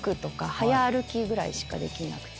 早歩きぐらいしかできなくて。